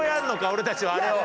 俺たちはあれを。